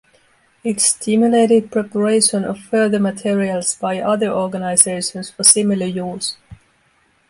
It stimulated preparation of further materials by other organizations for similar use.